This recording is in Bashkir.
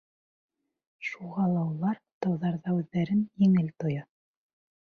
Шуға улар тауҙарҙа үҙҙәрен еңел тоя.